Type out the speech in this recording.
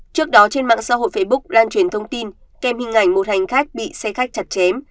trước đó trên mạng xã hội facebook lan truyền thông tin kèm hình ảnh một hành khách bị xe khách chặt chém